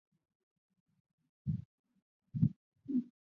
十月十四日补记。